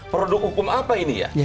produk hukum apa ini ya